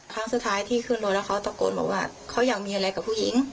ครั้งสุดท้ายที่ขึ้นรถแล้วเขาตะโกนบอกว่าเขาอยากมีอะไรกับผู้หญิง